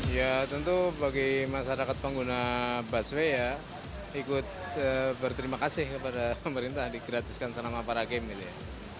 ya tentu bagi masyarakat pengguna busway ya ikut berterima kasih kepada pemerintah digratiskan sama para game gitu ya